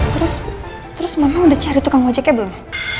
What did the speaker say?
terus mama udah cari tukang ojeknya belum